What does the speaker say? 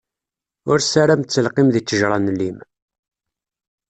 Ur ssaram ttelqim di ttejṛa n llim!